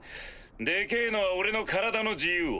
でけぇのは俺の体の自由を。